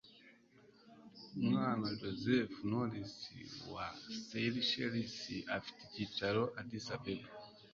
bwana joseph nourice, wa seychelles, afite icyicaro i addis ababa